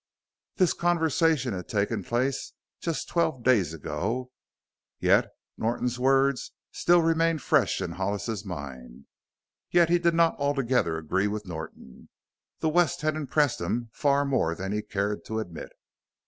This conversation had taken place just twelve days ago, yet Norton's words still remained fresh in Hollis's mind. Yet he did not altogether agree with Norton. The West had impressed him far more than he cared to admit.